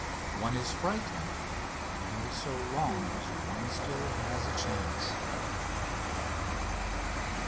One is frightened only so long as one still has a chance.